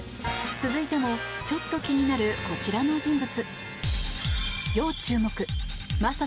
続いてもちょっと気になるこちらの人物。